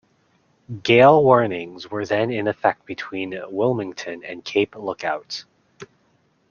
Gale warnings were then in effect between Wilmington and Cape Lookout.